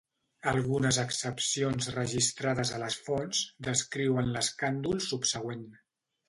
Algunes excepcions registrades a les fonts descriuen l'escàndol subsegüent.